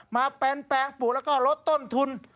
แปลงปลูกแล้วก็ลดต้นทุน